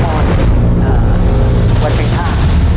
อ่าวัดเชิงท่า